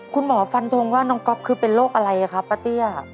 คุณหมอฟันทงว่าน้องก๊อปคือเป็นโรคอะไรครับปะตี้